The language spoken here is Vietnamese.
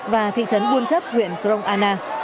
và thị trấn buôn chấp huyện kronana